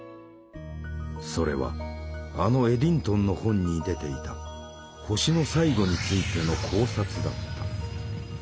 それはあのエディントンの本に出ていた「星の最後」についての考察だった。